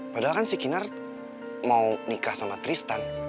padahal kan si kinard mau nikah sama tristan